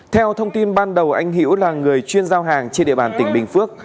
theo thông tin ban đầu anh hiễu là người chuyên giao hàng trên địa bàn tỉnh bình phước